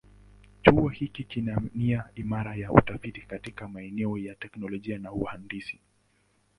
Chuo hiki kina nia imara ya utafiti katika maeneo ya teknolojia na uhandisi.